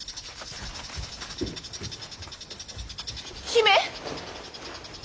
姫！